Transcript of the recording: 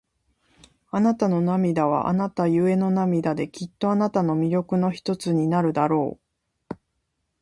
あなたの涙は、あなたゆえの涙で、きっとあなたの魅力の一つになるだろう。